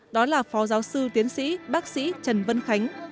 đó là phó giáo sư tiến sĩ bác sĩ trần vân khánh